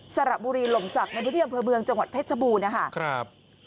สระบุรีหล่มศักดิ์ในพฤเมืองจังหวัดเพชรบูรณ์นะค่ะ